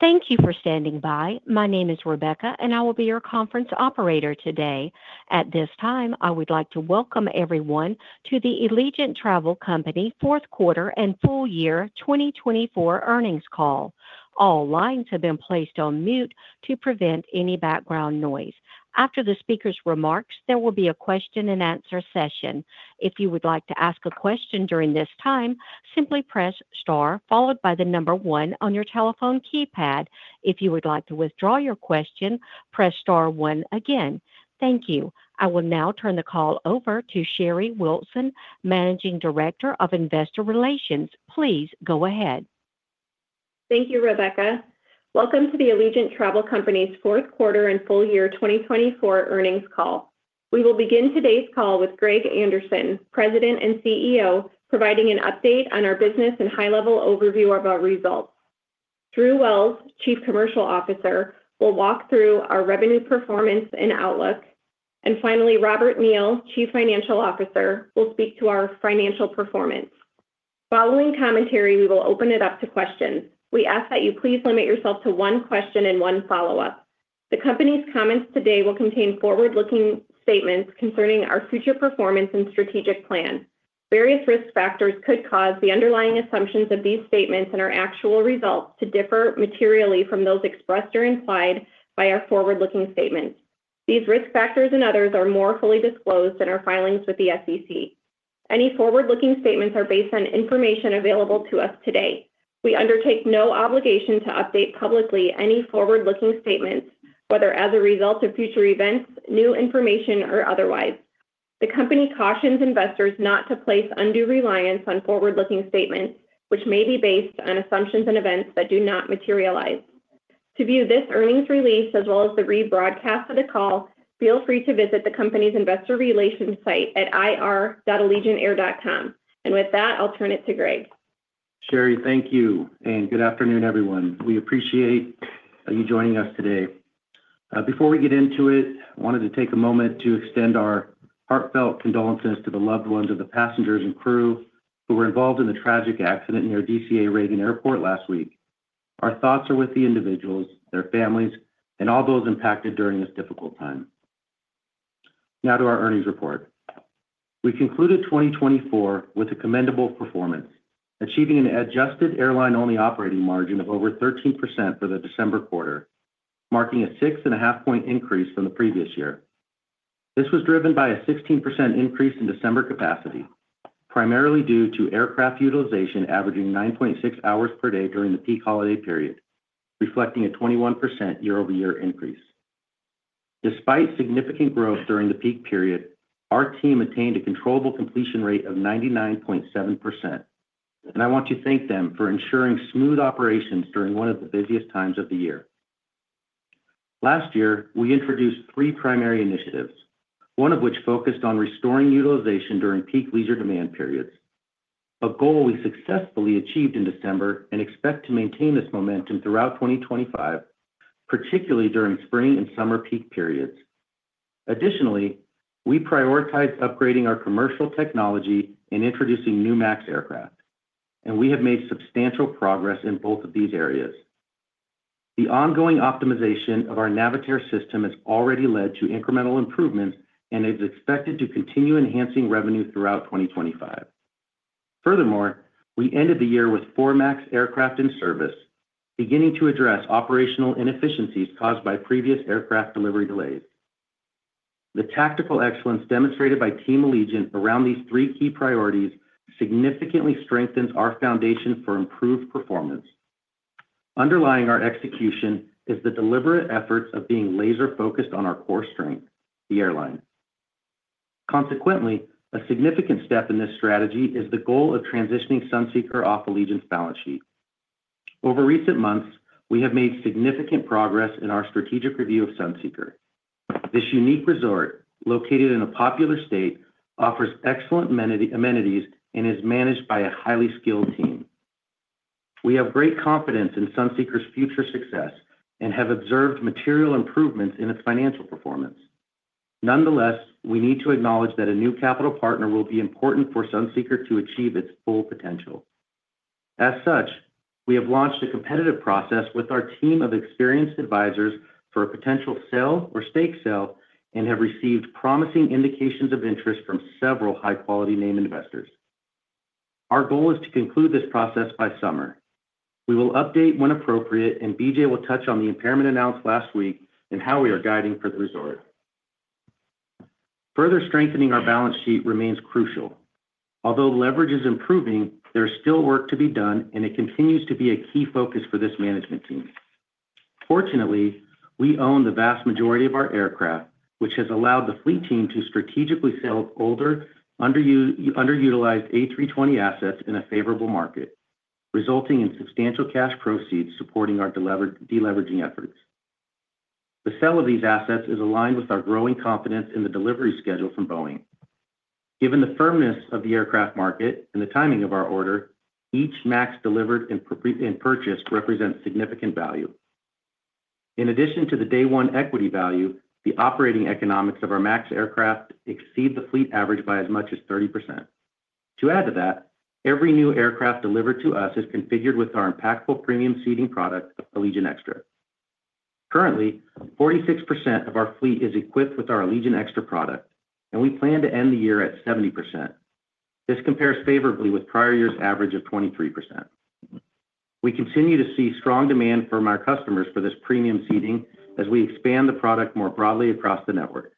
Thank you for standing by. My name is Rebecca, and I will be your conference operator today. At this time, I would like to welcome everyone to the Allegiant Travel Company Q4 and full year 2024 earnings call. All lines have been placed on mute to prevent any background noise. After the speaker's remarks, there will be a question-and-answer session. If you would like to ask a question during this time, simply press star followed by the number one on your telephone keypad. If you would like to withdraw your question, press star one again. Thank you. I will now turn the call over to Sherry Wilson, Managing Director of Investor Relations. Please go ahead. Thank you, Rebecca. Welcome to the Allegiant Travel Company's Q4 and full year 2024 earnings call. We will begin today's call with Greg Anderson, President and CEO, providing an update on our business and high-level overview of our results. Drew Wells, Chief Commercial Officer, will walk through our revenue performance and outlook, and finally, Robert Neal, Chief Financial Officer, will speak to our financial performance. Following commentary, we will open it up to questions. We ask that you please limit yourself to one question and one follow-up. The company's comments today will contain forward-looking statements concerning our future performance and strategic plan. Various risk factors could cause the underlying assumptions of these statements and our actual results to differ materially from those expressed or implied by our forward-looking statements. These risk factors and others are more fully disclosed in our filings with the SEC. Any forward-looking statements are based on information available to us today. We undertake no obligation to update publicly any forward-looking statements, whether as a result of future events, new information, or otherwise. The company cautions investors not to place undue reliance on forward-looking statements, which may be based on assumptions and events that do not materialize. To view this earnings release as well as the rebroadcast of the call, feel free to visit the company's investor relations site at ir.allegiantair.com, and with that, I'll turn it to Greg. Sherry, thank you. And good afternoon, everyone. We appreciate you joining us today. Before we get into it, I wanted to take a moment to extend our heartfelt condolences to the loved ones of the passengers and crew who were involved in the tragic accident near DCA Reagan Airport last week. Our thoughts are with the individuals, their families, and all those impacted during this difficult time. Now to our earnings report. We concluded 2024 with a commendable performance, achieving an adjusted airline-only operating margin of over 13% for the December quarter, marking a six-and-a-half-point increase from the previous year. This was driven by a 16% increase in December capacity, primarily due to aircraft utilization averaging 9.6 hours per day during the peak holiday period, reflecting a 21% year-over-year increase. Despite significant growth during the peak period, our team attained a controllable completion rate of 99.7%. I want to thank them for ensuring smooth operations during one of the busiest times of the year. Last year, we introduced three primary initiatives, one of which focused on restoring utilization during peak leisure demand periods, a goal we successfully achieved in December and expect to maintain this momentum throughout 2025, particularly during spring and summer peak periods. Additionally, we prioritized upgrading our commercial technology and introducing new MAX aircraft, and we have made substantial progress in both of these areas. The ongoing optimization of our Navitaire system has already led to incremental improvements and is expected to continue enhancing revenue throughout 2025. Furthermore, we ended the year with four MAX aircraft in service, beginning to address operational inefficiencies caused by previous aircraft delivery delays. The tactical excellence demonstrated by Team Allegiant around these three key priorities significantly strengthens our foundation for improved performance. Underlying our execution is the deliberate efforts of being laser-focused on our core strength, the airline. Consequently, a significant step in this strategy is the goal of transitioning Sunseeker off Allegiant's balance sheet. Over recent months, we have made significant progress in our strategic review of Sunseeker. This unique resort, located in a popular state, offers excellent amenities and is managed by a highly skilled team. We have great confidence in Sunseeker's future success and have observed material improvements in its financial performance. Nonetheless, we need to acknowledge that a new capital partner will be important for Sunseeker to achieve its full potential. As such, we have launched a competitive process with our team of experienced advisors for a potential sale or stake sale and have received promising indications of interest from several high-quality name investors. Our goal is to conclude this process by summer. We will update when appropriate, and BJ will touch on the impairment announced last week and how we are guiding for the resort. Further strengthening our balance sheet remains crucial. Although leverage is improving, there is still work to be done, and it continues to be a key focus for this management team. Fortunately, we own the vast majority of our aircraft, which has allowed the fleet team to strategically sell older, underutilized A320 assets in a favorable market, resulting in substantial cash proceeds supporting our deleveraging efforts. The sale of these assets is aligned with our growing confidence in the delivery schedule from Boeing. Given the firmness of the aircraft market and the timing of our order, each MAX delivered and purchased represents significant value. In addition to the day-one equity value, the operating economics of our MAX aircraft exceed the fleet average by as much as 30%. To add to that, every new aircraft delivered to us is configured with our impactful premium seating product, Allegiant Extra. Currently, 46%of our fleet is equipped with our Allegiant Extra product, and we plan to end the year at 70%. This compares favorably with prior year's average of 23%. We continue to see strong demand from our customers for this premium seating as we expand the product more broadly across the network.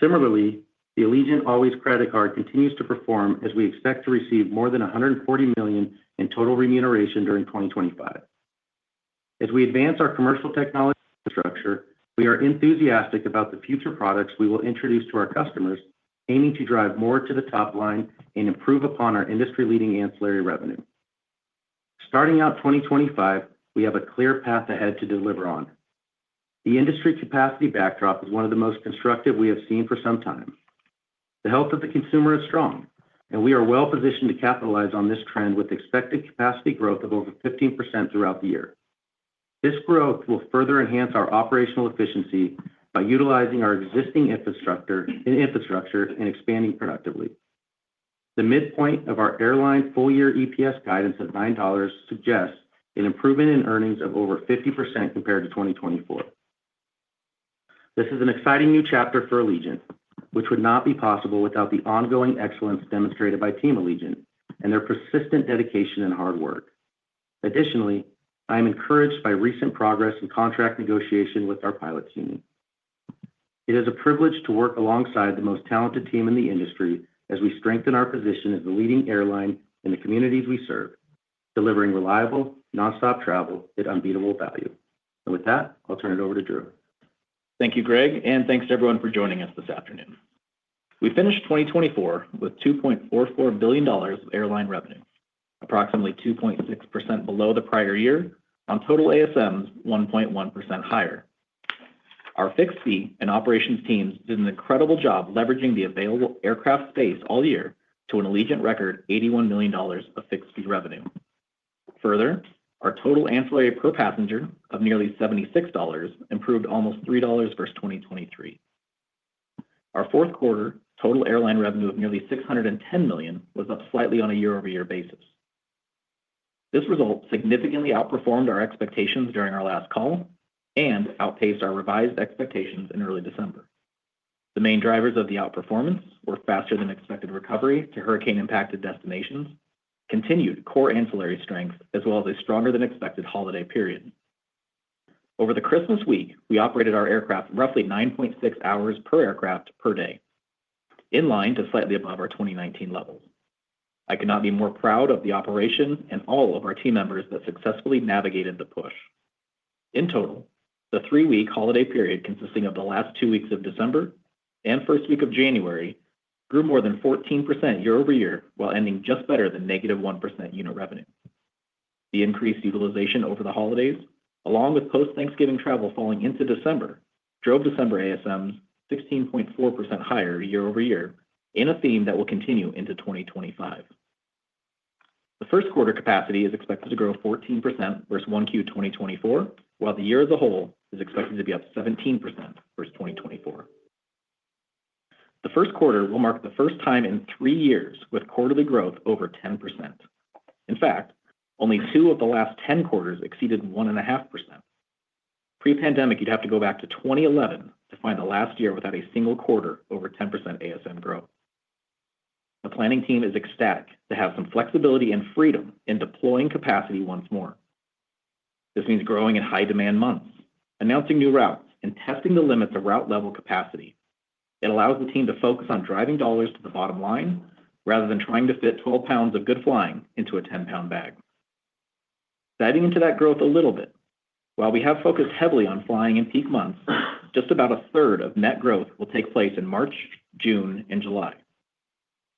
Similarly, the Allegiant Allways Credit Card continues to perform, as we expect to receive more than $140 million in total remuneration during 2025. As we advance our commercial technology infrastructure, we are enthusiastic about the future products we will introduce to our customers, aiming to drive more to the top line and improve upon our industry-leading ancillary revenue. Starting out 2025, we have a clear path ahead to deliver on. The industry capacity backdrop is one of the most constructive we have seen for some time. The health of the consumer is strong, and we are well-positioned to capitalize on this trend with expected capacity growth of over 15% throughout the year. This growth will further enhance our operational efficiency by utilizing our existing infrastructure and expanding productively. The midpoint of our airline full-year EPS guidance of $9 suggests an improvement in earnings of over 50% compared to 2024. This is an exciting new chapter for Allegiant, which would not be possible without the ongoing excellence demonstrated by Team Allegiant and their persistent dedication and hard work. Additionally, I am encouraged by recent progress in contract negotiation with our pilot team. It is a privilege to work alongside the most talented team in the industry as we strengthen our position as the leading airline in the communities we serve, delivering reliable, nonstop travel at unbeatable value, and with that, I'll turn it over to Drew. Thank you, Greg, and thanks to everyone for joining us this afternoon. We finished 2024 with $2.44 billion of airline revenue, approximately 2.6% below the prior year, on total ASMs 1.1% higher. Our fixed fee and operations teams did an incredible job leveraging the available aircraft space all year to an Allegiant record $81 million of fixed fee revenue. Further, our total ancillary per passenger of nearly $76 improved almost $3 versus 2023. Our fourth quarter total airline revenue of nearly $610 million was up slightly on a year-over-year basis. This result significantly outperformed our expectations during our last call and outpaced our revised expectations in early December. The main drivers of the outperformance were faster-than-expected recovery to hurricane-impacted destinations, continued core ancillary strength, as well as a stronger-than-expected holiday period. Over the Christmas week, we operated our aircraft roughly 9.6 hours per aircraft per day, in line to slightly above our 2019 levels. I could not be more proud of the operation and all of our team members that successfully navigated the push. In total, the three-week holiday period consisting of the last two weeks of December and first week of January grew more than 14% year-over-year while ending just better than -1% unit revenue. The increased utilization over the holidays, along with post-Thanksgiving travel falling into December, drove December ASMs 16.4% higher year-over-year in a theme that will continue into 2025. The first quarter capacity is expected to grow 14% versus 1Q 2024, while the year as a whole is expected to be up 17% versus 2024. The Q1 will mark the first time in three years with quarterly growth over 10%. In fact, only two of the last 10 quarters exceeded 1.5%. Pre-pandemic, you'd have to go back to 2011 to find the last year without a single quarter over 10% ASM growth. The planning team is ecstatic to have some flexibility and freedom in deploying capacity once more. This means growing in high-demand months, announcing new routes, and testing the limits of route-level capacity. It allows the team to focus on driving dollars to the bottom line rather than trying to fit 12 pounds of good flying into a 10-pound bag. Diving into that growth a little bit, while we have focused heavily on flying in peak months, just about a third of net growth will take place in March, June, and July,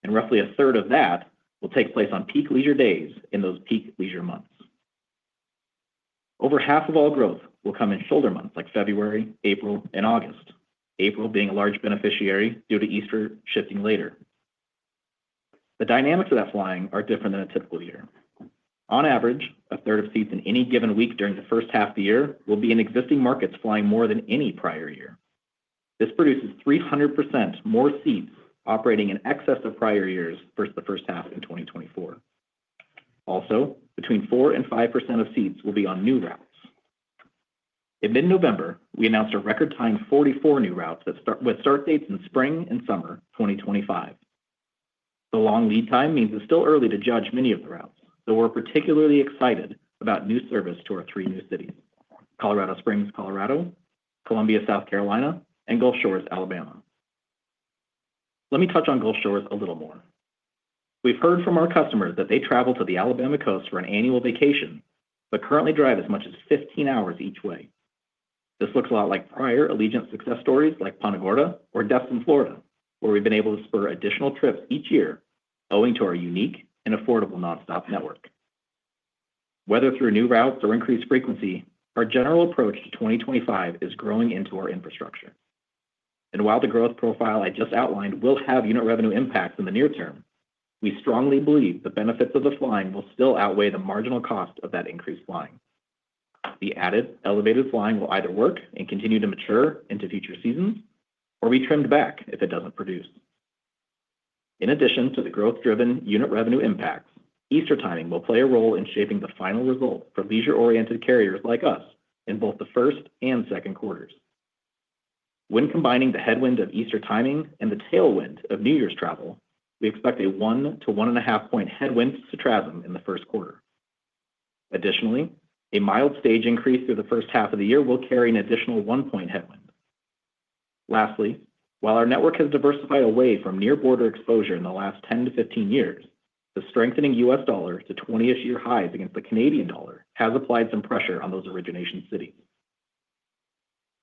and roughly a third of that will take place on peak leisure days in those peak leisure months. Over half of all growth will come in shoulder months like February, April, and August, April being a large beneficiary due to Easter shifting later. The dynamics of that flying are different than a typical year. On average, a third of seats in any given week during the first half of the year will be in existing markets flying more than any prior year. This produces 300% more seats operating in excess of prior years versus the first half in 2024. Also, between 4% and 5% of seats will be on new routes. In mid-November, we announced a record-tying 44 new routes with start dates in spring and summer 2025. The long lead time means it's still early to judge many of the routes, though we're particularly excited about new service to our three new cities: Colorado Springs, Colorado; Columbia, South Carolina; and Gulf Shores, Alabama. Let me touch on Gulf Shores a little more. We've heard from our customers that they travel to the Alabama coast for an annual vacation, but currently drive as much as 15 hours each way. This looks a lot like prior Allegiant success stories like Punta Gorda or Destin, Florida, where we've been able to spur additional trips each year, owing to our unique and affordable nonstop network. Whether through new routes or increased frequency, our general approach to 2025 is growing into our infrastructure. And while the growth profile I just outlined will have unit revenue impacts in the near term, we strongly believe the benefits of the flying will still outweigh the marginal cost of that increased flying. The added elevated flying will either work and continue to mature into future seasons, or be trimmed back if it doesn't produce. In addition to the growth-driven unit revenue impacts, Easter timing will play a role in shaping the final result for leisure-oriented carriers like us in both the Q1 and Q2. When combining the headwind of Easter timing and the tailwind of New Year's travel, we expect a 1-1.5-point headwind to TRASM in the Q1. Additionally, a mild wage increase through the first half of the year will carry an additional 1-point headwind. Lastly, while our network has diversified away from near-border exposure in the last 10-15 years, the strengthening US dollar to 20-ish-year highs against the Canadian dollar has applied some pressure on those origination cities.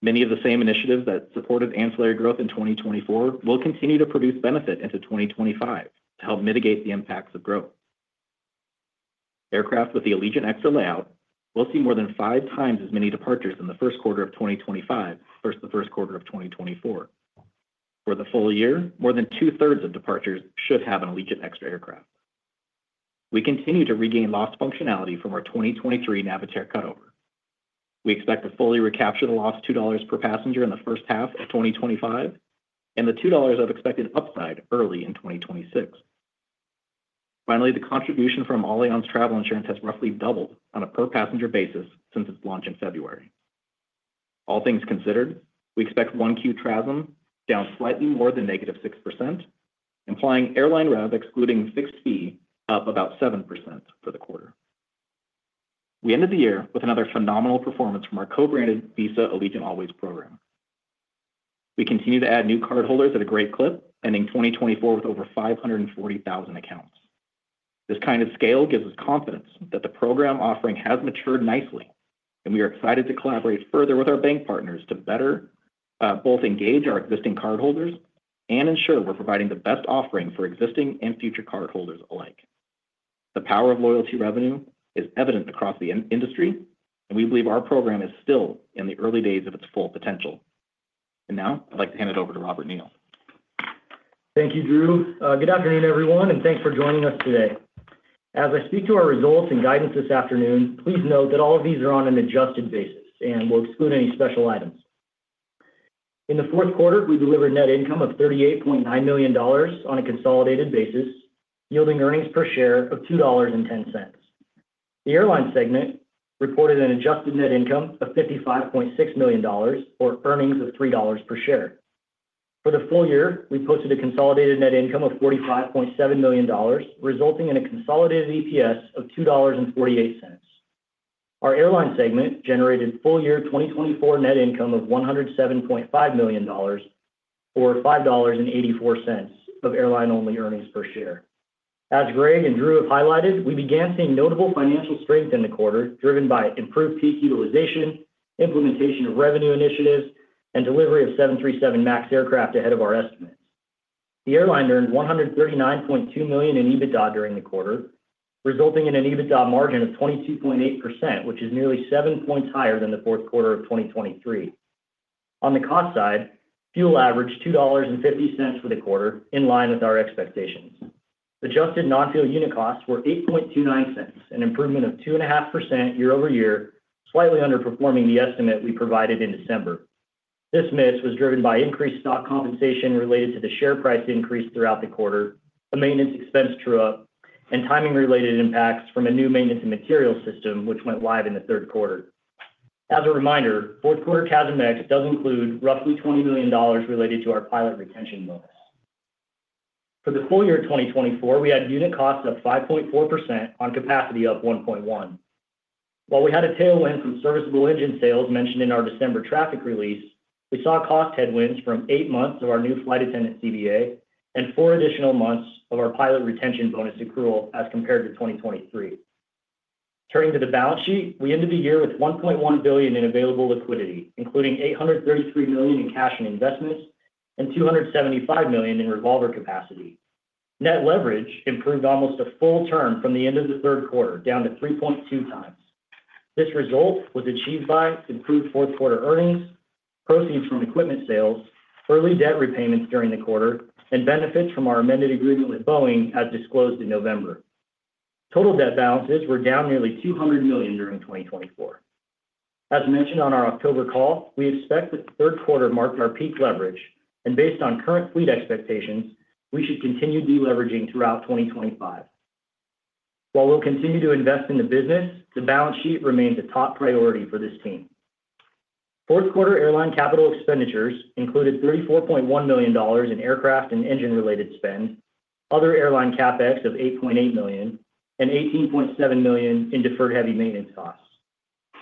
Many of the same initiatives that supported ancillary growth in 2024 will continue to produce benefit into 2025 to help mitigate the impacts of growth. Aircraft with the Allegiant Extra layout will see more than five times as many departures in the Q1 of 2025 versus the Q1 of 2024. For the full year, more than two-thirds of departures should have an Allegiant Extra aircraft. We continue to regain lost functionality from our 2023 Navitaire cutover. We expect to fully recapture the lost $2 per passenger in the first half of 2025 and the $2 of expected upside early in 2026. Finally, the contribution from Allianz Travel Insurance has roughly doubled on a per-passenger basis since its launch in February. All things considered, we expect 1Q TRASM down slightly more than -6%, implying airline rev excluding fixed fee up about 7% for the quarter. We ended the year with another phenomenal performance from our co-branded Visa Allegiant Always program. We continue to add new cardholders at a great clip, ending 2024 with over 540,000 accounts. This kind of scale gives us confidence that the program offering has matured nicely, and we are excited to collaborate further with our bank partners to better both engage our existing cardholders and ensure we're providing the best offering for existing and future cardholders alike. The power of loyalty revenue is evident across the industry, and we believe our program is still in the early days of its full potential, and now, I'd like to hand it over to Robert Neal. Thank you, Drew. Good afternoon, everyone, and thanks for joining us today. As I speak to our results and guidance this afternoon, please note that all of these are on an adjusted basis, and we'll exclude any special items. In the Q4, we delivered net income of $38.9 million on a consolidated basis, yielding earnings per share of $2.10. The airline segment reported an adjusted net income of $55.6 million, or earnings of $3 per share. For the full year, we posted a consolidated net income of $45.7 million, resulting in a consolidated EPS of $2.48. Our airline segment generated full-year 2024 net income of $107.5 million, or $5.84, of airline-only earnings per share. As Greg and Drew have highlighted, we began seeing notable financial strength in the quarter, driven by improved peak utilization, implementation of revenue initiatives, and delivery of 737 MAX aircraft ahead of our estimates. The airline earned $139.2 million in EBITDA during the quarter, resulting in an EBITDA margin of 22.8%, which is nearly seven points higher than the Q4 of 2023. On the cost side, fuel averaged $2.50 for the quarter, in line with our expectations. Adjusted non-fuel unit costs were $8.29, an improvement of 2.5% year-over-year, slightly underperforming the estimate we provided in December. This miss was driven by increased stock compensation related to the share price increase throughout the quarter, a maintenance expense true-up, and timing-related impacts from a new maintenance and materials system, which went live in the Q3. As a reminder, Q4 CASM-ex does include roughly $20 million related to our pilot retention bonus. For the full year of 2024, we had unit costs up 5.4% on capacity up 1.1%. While we had a tailwind from serviceable engine sales mentioned in our December traffic release, we saw cost headwinds from eight months of our new flight attendant CBA and four additional months of our pilot retention bonus accrual as compared to 2023. Turning to the balance sheet, we ended the year with $1.1 billion in available liquidity, including $833 million in cash and investments and $275 million in revolver capacity. Net leverage improved almost a full turn from the end of the Q3 down to 3.2 times. This result was achieved by improved Q4 earnings, proceeds from equipment sales, early debt repayments during the quarter, and benefits from our amended agreement with Boeing as disclosed in November. Total debt balances were down nearly $200 million during 2024. As mentioned on our October call, we expect that the Q3 marked our peak leverage, and based on current fleet expectations, we should continue deleveraging throughout 2025. While we'll continue to invest in the business, the balance sheet remains a top priority for this team. Q4 airline capital expenditures included $34.1 million in aircraft and engine-related spend, other airline CapEx of $8.8 million, and $18.7 million in deferred heavy maintenance costs.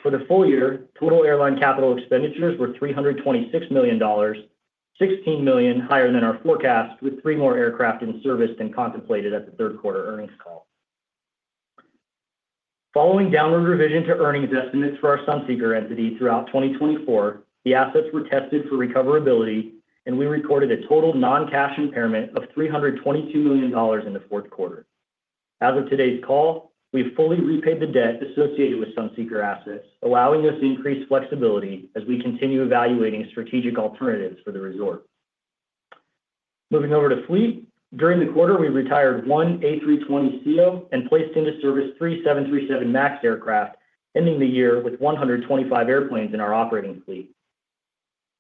For the full year, total airline capital expenditures were $326 million, $16 million higher than our forecast, with three more aircraft in service than contemplated at the Q3 earnings call. Following downward revision to earnings estimates for our Sunseeker entity throughout 2024, the assets were tested for recoverability, and we recorded a total non-cash impairment of $322 million in the Q4. As of today's call, we've fully repaid the debt associated with Sunseeker assets, allowing us increased flexibility as we continue evaluating strategic alternatives for the resort. Moving over to fleet, during the quarter, we retired one A320ceo and placed into service three 737 MAX aircraft, ending the year with 125 airplanes in our operating fleet.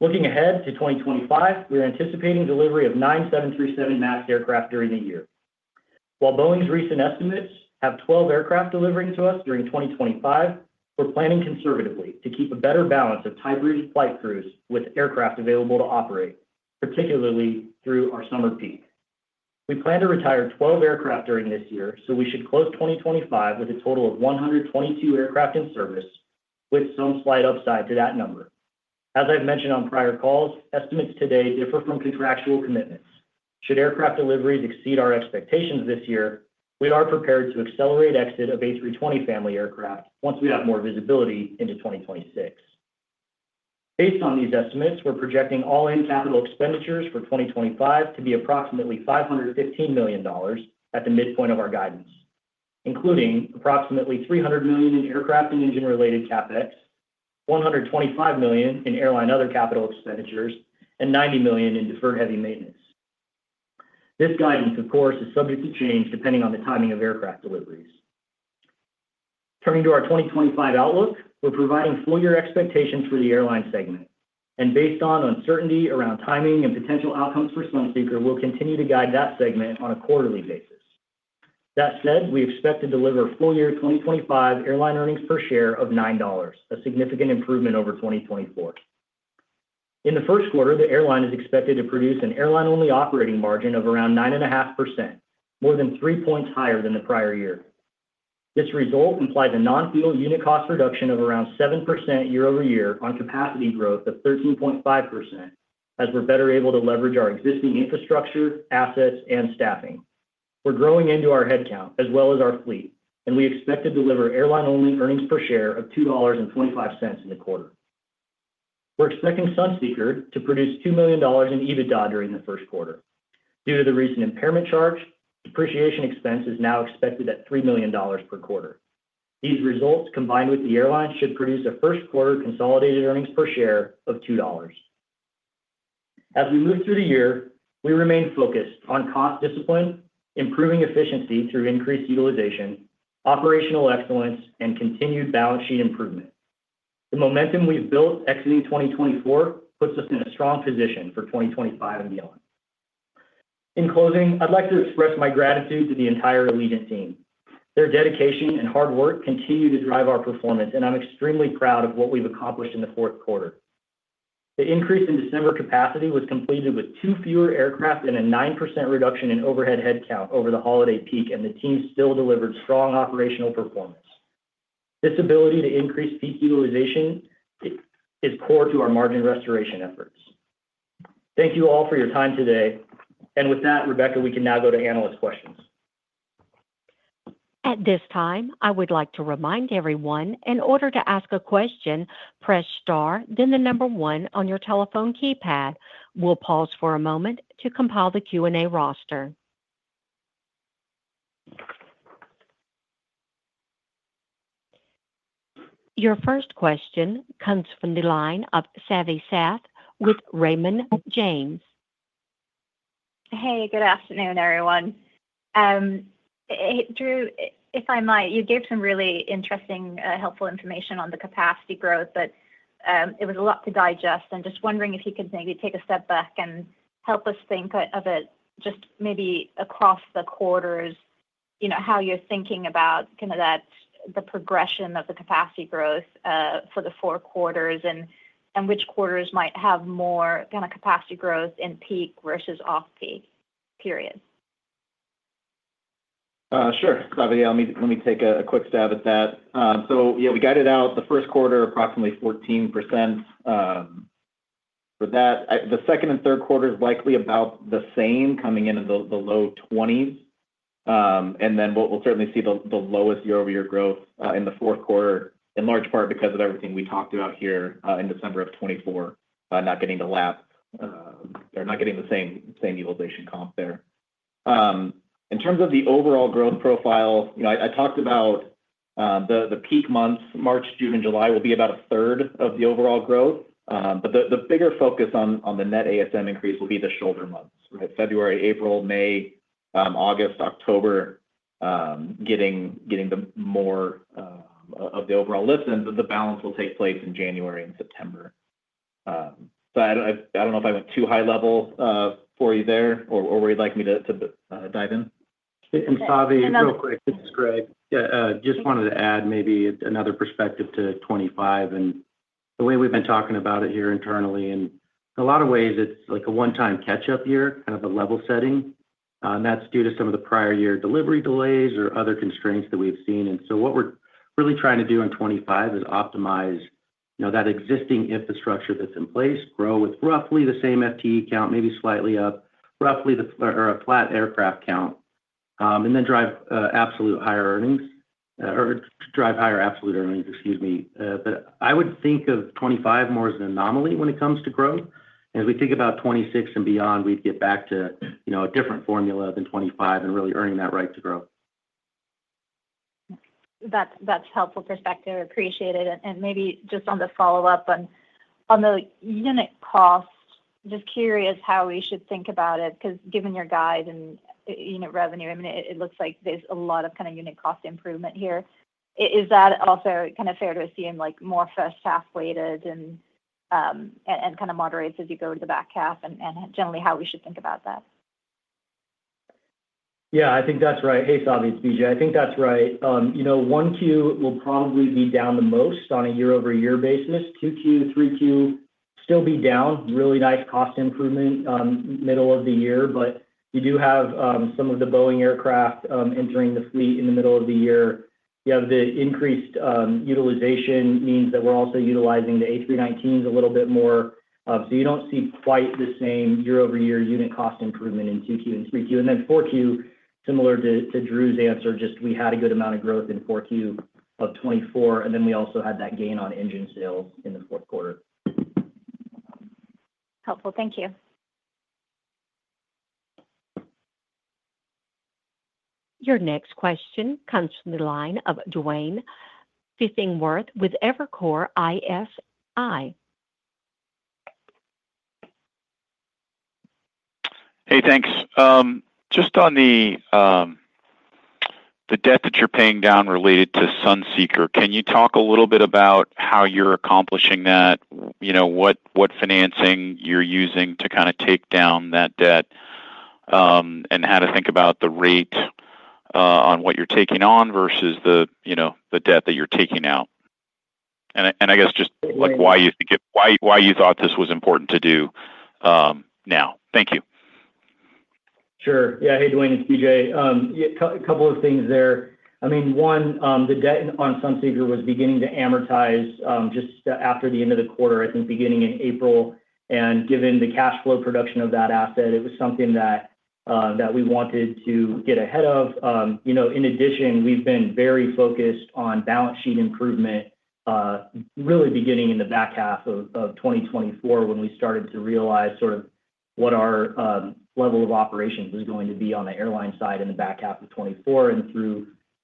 Looking ahead to 2025, we're anticipating delivery of nine 737 MAX aircraft during the year. While Boeing's recent estimates have 12 aircraft delivering to us during 2025, we're planning conservatively to keep a better balance of type flight crews with aircraft available to operate, particularly through our summer peak. We plan to retire 12 aircraft during this year, so we should close 2025 with a total of 122 aircraft in service, with some slight upside to that number. As I've mentioned on prior calls, estimates today differ from contractual commitments. Should aircraft deliveries exceed our expectations this year, we are prepared to accelerate exit of A320 family aircraft once we have more visibility into 2026. Based on these estimates, we're projecting all-in capital expenditures for 2025 to be approximately $515 million at the midpoint of our guidance, including approximately $300 million in aircraft and engine-related CapEx, $125 million in airline other capital expenditures, and $90 million in deferred heavy maintenance. This guidance, of course, is subject to change depending on the timing of aircraft deliveries. Turning to our 2025 outlook, we're providing full-year expectations for the airline segment and based on uncertainty around timing and potential outcomes for Sunseeker, we'll continue to guide that segment on a quarterly basis. That said, we expect to deliver full-year 2025 airline earnings per share of $9, a significant improvement over 2024. In the Q1, the airline is expected to produce an airline-only operating margin of around 9.5%, more than three points higher than the prior year. This result implies a non-fuel unit cost reduction of around 7% year-over-year on capacity growth of 13.5%, as we're better able to leverage our existing infrastructure, assets, and staffing. We're growing into our headcount, as well as our fleet, and we expect to deliver airline-only earnings per share of $2.25 in the quarter. We're expecting Sunseeker to produce $2 million in EBITDA during the Q1. Due to the recent impairment charge, depreciation expense is now expected at $3 million per quarter. These results, combined with the airline, should produce a Q1 consolidated earnings per share of $2. As we move through the year, we remain focused on cost discipline, improving efficiency through increased utilization, operational excellence, and continued balance sheet improvement. The momentum we've built exiting 2024 puts us in a strong position for 2025 and beyond. In closing, I'd like to express my gratitude to the entire Allegiant team. Their dedication and hard work continue to drive our performance, and I'm extremely proud of what we've accomplished in the Q4. The increase in December capacity was completed with two fewer aircraft and a 9% reduction in overhead headcount over the holiday peak, and the team still delivered strong operational performance. This ability to increase peak utilization is core to our margin restoration efforts. Thank you all for your time today. And with that, Rebecca, we can now go to analyst questions. At this time, I would like to remind everyone, in order to ask a question, press star, then the number one on your telephone keypad. We'll pause for a moment to compile the Q&A roster. Your first question comes from the line of Savanthi Syth with Raymond James. Hey, good afternoon, everyone. Drew, if I might, you gave some really interesting, helpful information on the capacity growth, but it was a lot to digest, and just wondering if you could maybe take a step back and help us think of it just maybe across the quarters, how you're thinking about kind of the progression of the capacity growth for the four quarters and which quarters might have more kind of capacity growth in peak versus off-peak period. Sure. Savvy, let me take a quick stab at that. So yeah, we guided out the Q1 approximately 14% for that. The second and Q3 is likely about the same, coming into the low 20s. And then we'll certainly see the lowest year-over-year growth in the Q4, in large part because of everything we talked about here in December of 2024, not getting the lap. They're not getting the same utilization comp there. In terms of the overall growth profile, I talked about the peak months, March, June, and July will be about a third of the overall growth. But the bigger focus on the net ASM increase will be the shoulder months, right? February, April, May, August, October getting more of the overall lift, and the balance will take place in January and September. So I don't know if I went too high level for you there, or where you'd like me to dive in. Hey, from Savanthi, real quick, this is Greg. Just wanted to add maybe another perspective to 2025 and the way we've been talking about it here internally. In a lot of ways, it's like a one-time catch-up year, kind of a level setting. And that's due to some of the prior year delivery delays or other constraints that we've seen. And so what we're really trying to do in 2025 is optimize that existing infrastructure that's in place, grow with roughly the same FTE count, maybe slightly up, roughly a flat aircraft count, and then drive absolute higher earnings, or drive higher absolute earnings, excuse me. But I would think of 2025 more as an anomaly when it comes to growth. As we think about 2026 and beyond, we'd get back to a different formula than 2025 and really earning that right to grow. That's helpful perspective. Appreciate it. And maybe just on the follow-up, on the unit cost, just curious how we should think about it, because given your guide and unit revenue, I mean, it looks like there's a lot of kind of unit cost improvement here. Is that also kind of fair to assume more first-half weighted and kind of moderates as you go to the back half, and generally how we should think about that? Yeah, I think that's right. Hey, Savvy, it's BJ. I think that's right. One Q will probably be down the most on a year-over-year basis. Two Q, three Q, still be down. Really nice cost improvement middle of the year. But you do have some of the Boeing aircraft entering the fleet in the middle of the year. You have the increased utilization means that we're also utilizing the A319s a little bit more. So you don't see quite the same year-over-year unit cost improvement in two Q and three Q. And then four Q, similar to Drew's answer, just we had a good amount of growth in four Q of 2024, and then we also had that gain on engine sales in the Q4. Helpful. Thank you. Your next question comes from the line of Duane Pfennigwerth with Evercore ISI. Hey, thanks. Just on the debt that you're paying down related to Sunseeker, can you talk a little bit about how you're accomplishing that, what financing you're using to kind of take down that debt, and how to think about the rate on what you're taking on versus the debt that you're taking out, and I guess just why you thought this was important to do now? Thank you. Sure. Yeah. Hey, Duane, it's BJ. A couple of things there. I mean, one, the debt on Sunseeker was beginning to amortize just after the end of the quarter, I think beginning in April. And given the cash flow production of that asset, it was something that we wanted to get ahead of. In addition, we've been very focused on balance sheet improvement really beginning in the back half of 2024 when we started to realize sort of what our level of operations was going to be on the airline side in the back half of 2024 and through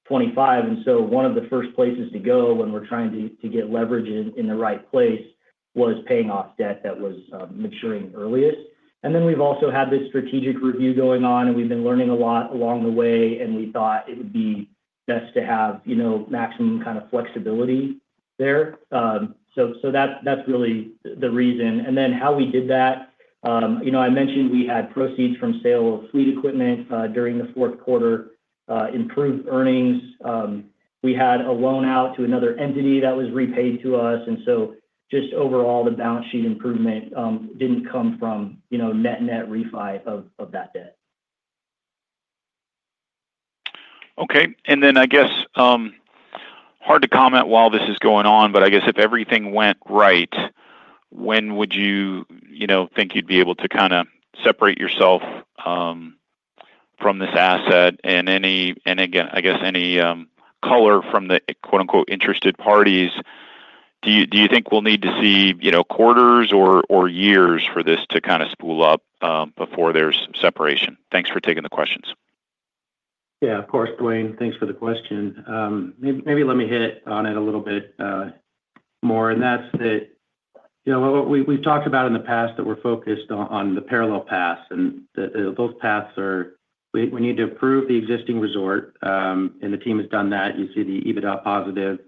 2025. And so one of the first places to go when we're trying to get leverage in the right place was paying off debt that was maturing earliest. And then we've also had this strategic review going on, and we've been learning a lot along the way, and we thought it would be best to have maximum kind of flexibility there. So that's really the reason. And then how we did that, I mentioned we had proceeds from sale of fleet equipment during the Q4, improved earnings. We had a loan out to another entity that was repaid to us. And so just overall, the balance sheet improvement didn't come from net-net refi of that debt. Okay. And then I guess it's hard to comment while this is going on, but I guess if everything went right, when would you think you'd be able to kind of separate yourself from this asset? And again, I guess any color from the "interested parties." Do you think we'll need to see quarters or years for this to kind of spool up before there's separation? Thanks for taking the questions. Yeah, of course, Duane. Thanks for the question. Maybe let me hit on it a little bit more. And that's that we've talked about in the past that we're focused on the parallel paths, and those paths are we need to improve the existing resort, and the team has done that. You see the EBITDA positive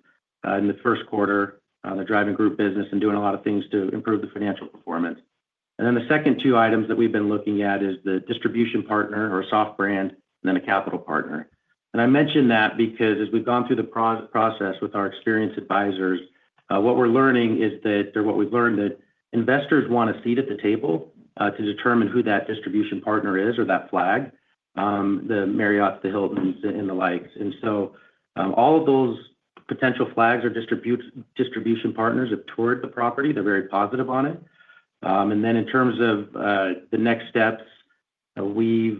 in the Q1, the driving group business and doing a lot of things to improve the financial performance. And then the second two items that we've been looking at is the distribution partner or soft brand and then a capital partner. And I mentioned that because as we've gone through the process with our experienced advisors, what we're learning is that, or what we've learned, that investors want a seat at the table to determine who that distribution partner is or that flag, the Marriott, the Hilton, and the likes. And so all of those potential flags are distribution partners toward the property. They're very positive on it. And then in terms of the next steps, we're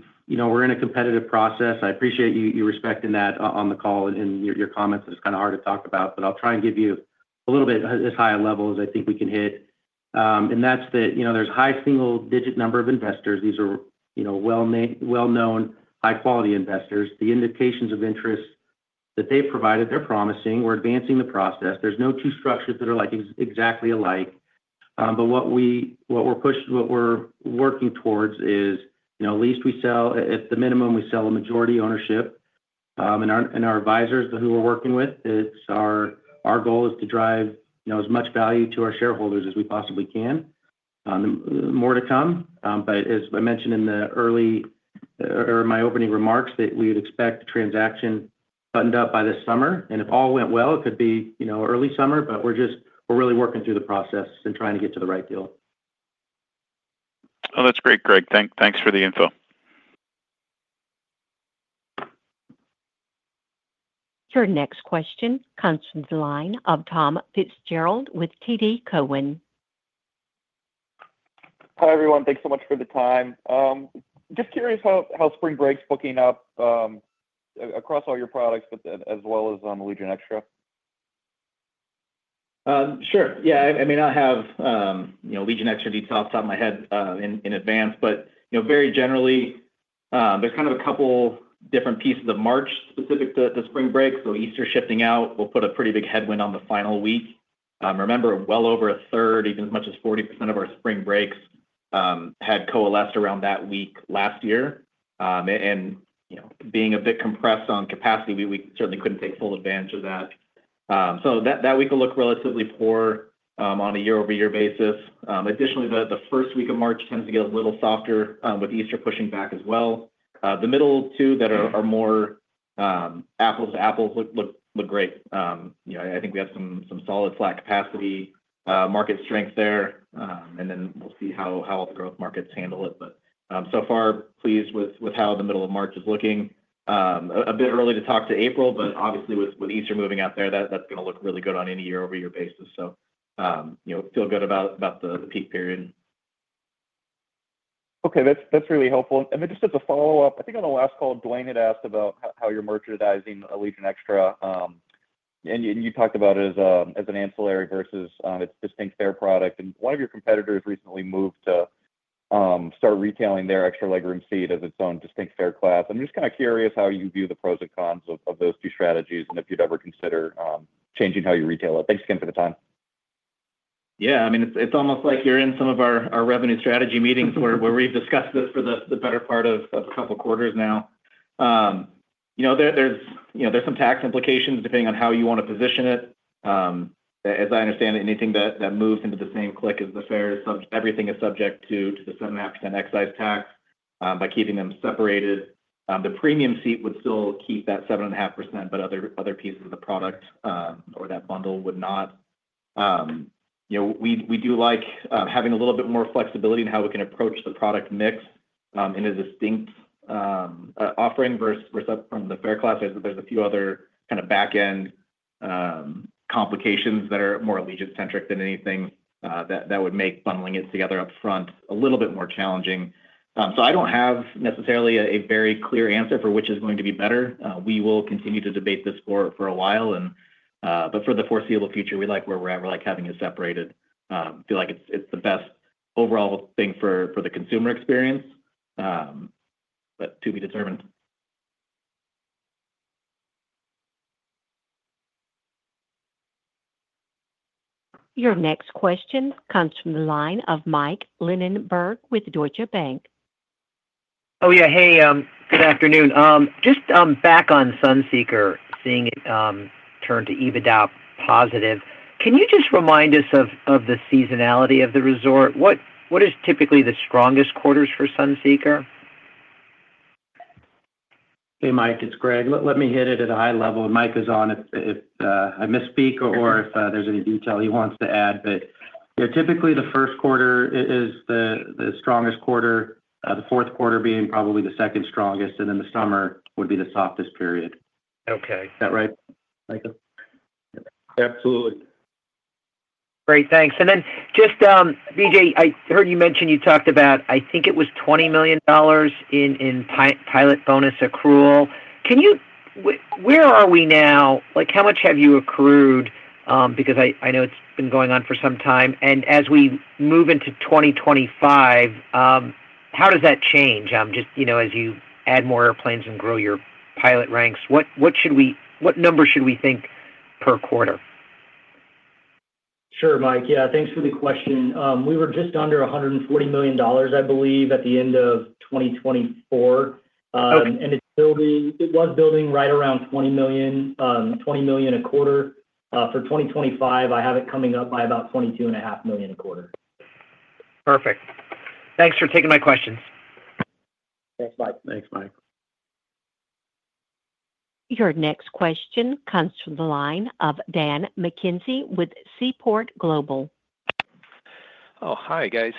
in a competitive process. I appreciate you respecting that on the call and your comments. It's kind of hard to talk about, but I'll try and give you a little bit as high a level as I think we can hit. And that's that there's a high single-digit number of investors. These are well-known, high-quality investors. The indications of interest that they've provided, they're promising. We're advancing the process. There's no two structures that are exactly alike. But what we're working towards is at least we sell, at the minimum, we sell a majority ownership. And our advisors who we're working with, our goal is to drive as much value to our shareholders as we possibly can. More to come. But as I mentioned earlier in my opening remarks, that we would expect the transaction buttoned up by this summer. And if all went well, it could be early summer, but we're really working through the process and trying to get to the right deal. Oh, that's great, Greg. Thanks for the info. Your next question comes from the line of Tom Fitzgerald with TD Cowen. Hi, everyone. Thanks so much for the time. Just curious how Spring Break's booking up across all your products, but as well as Allegiant Extra? Sure. Yeah. I mean, I have Allegiant Extra details off the top of my head in advance, but very generally, there's kind of a couple different pieces of March specific to Spring Break. So Easter shifting out will put a pretty big headwind on the final week. Remember, well over a third, even as much as 40% of our Spring Breaks had coalesced around that week last year. And being a bit compressed on capacity, we certainly couldn't take full advantage of that. So that week will look relatively poor on a year-over-year basis. Additionally, the first week of March tends to get a little softer with Easter pushing back as well. The middle two that are more apples to apples look great. I think we have some solid flat capacity market strength there. And then we'll see how all the growth markets handle it. But so far, pleased with how the middle of March is looking. A bit early to talk to April, but obviously with Easter moving out there, that's going to look really good on any year-over-year basis. So feel good about the peak period. Okay. That's really helpful. And just as a follow-up, I think on the last call, Duane had asked about how you're merchandising Allegiant Extra. And you talked about it as an ancillary versus its distinct fare product. And one of your competitors recently moved to start retailing their extra legroom seat as its own distinct fare class. I'm just kind of curious how you view the pros and cons of those two strategies and if you'd ever consider changing how you retail it. Thanks again for the time. Yeah. I mean, it's almost like you're in some of our revenue strategy meetings where we've discussed this for the better part of a couple of quarters now. There's some tax implications depending on how you want to position it. As I understand it, anything that moves into the same bucket as the fares, everything is subject to the 7.5% excise tax by keeping them separated. The premium seat would still keep that 7.5%, but other pieces of the product or that bundle would not. We do like having a little bit more flexibility in how we can approach the product mix in a distinct offering versus from the fare class. There's a few other kind of back-end complications that are more Allegiant-centric than anything that would make bundling it together upfront a little bit more challenging. So I don't have necessarily a very clear answer for which is going to be better. We will continue to debate this for a while. But for the foreseeable future, we like where we're at. We like having it separated. I feel like it's the best overall thing for the consumer experience, but to be determined. Your next question comes from the line of Mike Linenberg with Deutsche Bank. Oh, yeah. Hey, good afternoon. Just back on Sunseeker, seeing it turn to EBITDA positive. Can you just remind us of the seasonality of the resort? What is typically the strongest quarters for Sunseeker? Hey, Mike, it's Greg. Let me hit it at a high level. Mike is on if I misspeak or if there's any detail he wants to add. But typically, the Q1 is the strongest quarter, the Q4 being probably the second strongest, and then the summer would be the softest period. Okay. Is that right? Absolutely. Great. Thanks. And then just, BJ, I heard you mention you talked about, I think it was $20 million in pilot bonus accrual. Where are we now? How much have you accrued? Because I know it's been going on for some time. And as we move into 2025, how does that change? Just as you add more airplanes and grow your pilot ranks, what number should we think per quarter? Sure, Mike. Yeah. Thanks for the question. We were just under $140 million, I believe, at the end of 2024. And it was building right around $20 million a quarter. For 2025, I have it coming up by about $22.5 million a quarter. Perfect. Thanks for taking my questions. Thanks, Mike. Thanks, Mike. Your next question comes from the line of Daniel McKenzie with Seaport Global. Oh, hi, guys.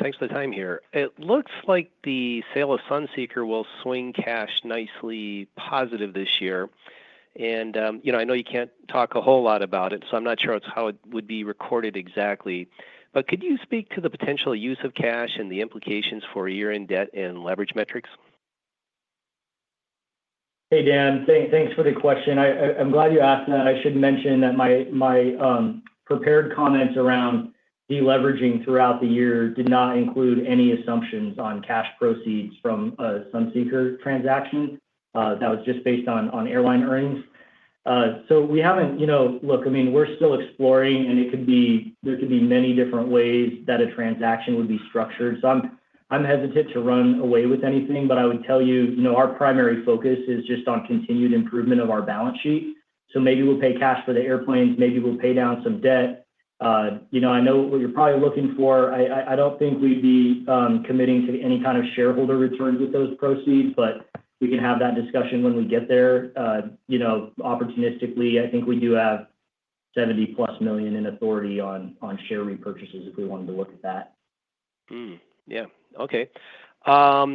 Thanks for the time here. It looks like the sale of Sunseeker will swing cash nicely positive this year. And I know you can't talk a whole lot about it, so I'm not sure how it would be recorded exactly. But could you speak to the potential use of cash and the implications for year-end debt and leverage metrics? Hey, Dan. Thanks for the question. I'm glad you asked that. I should mention that my prepared comments around deleveraging throughout the year did not include any assumptions on cash proceeds from Sunseeker transactions. That was just based on airline earnings. So we haven't looked. I mean, we're still exploring, and there could be many different ways that a transaction would be structured. So I'm hesitant to run away with anything, but I would tell you our primary focus is just on continued improvement of our balance sheet. So maybe we'll pay cash for the airplanes. Maybe we'll pay down some debt. I know what you're probably looking for. I don't think we'd be committing to any kind of shareholder returns with those proceeds, but we can have that discussion when we get there. Opportunistically, I think we do have $70-plus million in authority on share repurchases if we wanted to look at that. Yeah. Okay. And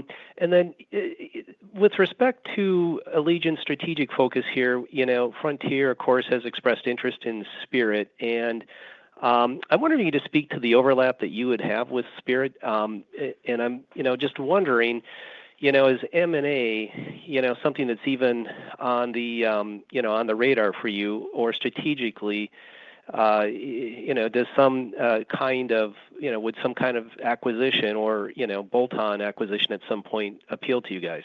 then with respect to Allegiant's strategic focus here, Frontier, of course, has expressed interest in Spirit. And I'm wondering if you could speak to the overlap that you would have with Spirit. And I'm just wondering, is M&A something that's even on the radar for you? Or strategically, does some kind of acquisition or bolt-on acquisition at some point appeal to you guys?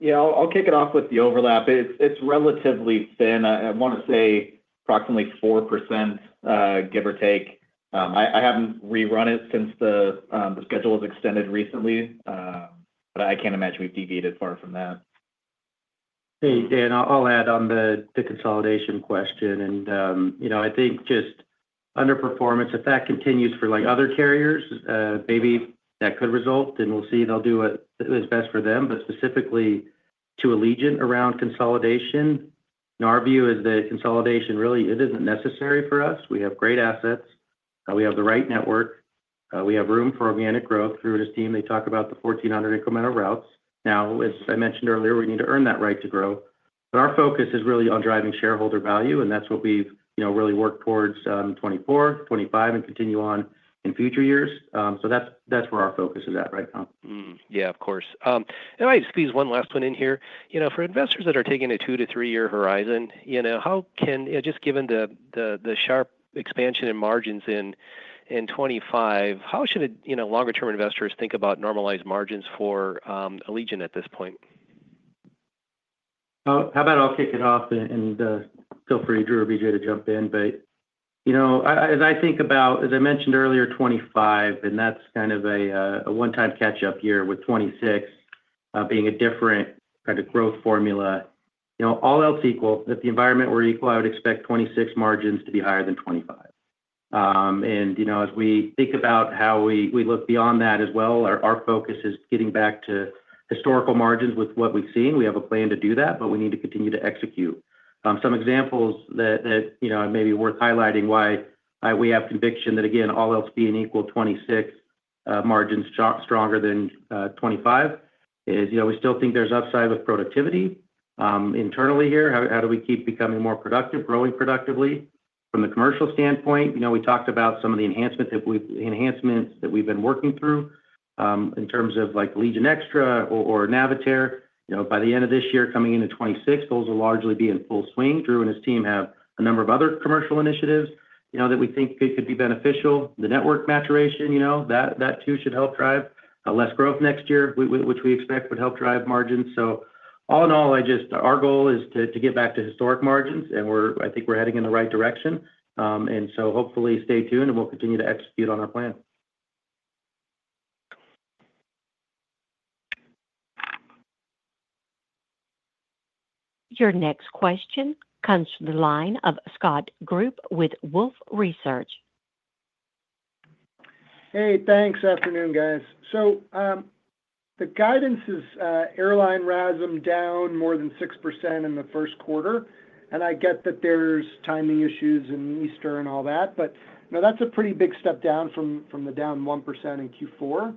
Yeah. I'll kick it off with the overlap. It's relatively thin. I want to say approximately 4%, give or take. I haven't rerun it since the schedule was extended recently, but I can't imagine we've deviated far from that. Hey, Dan, I'll add on the consolidation question. And I think just underperformance, if that continues for other carriers, maybe that could result, and we'll see. They'll do what is best for them. But specifically to Allegiant around consolidation, our view is that consolidation, really, it isn't necessary for us. We have great assets. We have the right network. We have room for organic growth. Drew and his team, they talk about the 1,400 incremental routes. Now, as I mentioned earlier, we need to earn that right to grow. But our focus is really on driving shareholder value, and that's what we've really worked towards 2024, 2025, and continue on in future years. So that's where our focus is at right now. Yeah, of course. And I might squeeze one last one in here. For investors that are taking a two to three-year horizon, how can, just given the sharp expansion in margins in 2025, how should longer-term investors think about normalized margins for Allegiant at this point? How about I'll kick it off, and feel free, Drew or BJ, to jump in. But as I think about, as I mentioned earlier, 2025, and that's kind of a one-time catch-up year with 2026 being a different kind of growth formula. All else equal, if the environment were equal, I would expect 2026 margins to be higher than 2025. And as we think about how we look beyond that as well, our focus is getting back to historical margins with what we've seen. We have a plan to do that, but we need to continue to execute. Some examples that may be worth highlighting why we have conviction that, again, all else being equal, 2026 margins stronger than 2025 is we still think there's upside with productivity internally here. How do we keep becoming more productive, growing productively from the commercial standpoint? We talked about some of the enhancements that we've been working through in terms of Allegiant Extra or Navitaire. By the end of this year, coming into 2026, those will largely be in full swing. Drew and his team have a number of other commercial initiatives that we think could be beneficial. The network maturation, that too should help drive less growth next year, which we expect would help drive margins. So all in all, our goal is to get back to historic margins, and I think we're heading in the right direction. And so hopefully, stay tuned, and we'll continue to execute on our plan. Your next question comes from the line of Scott Group with Wolfe Research. Hey, thanks. Afternoon, guys. So the guidance is airline RASM down more than 6% in the Q1. And I get that there's timing issues in Easter and all that, but that's a pretty big step down from the down 1% in Q4.